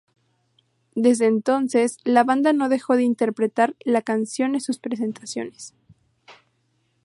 Desde entonces, la banda no dejó de interpretar la canción en sus presentaciones.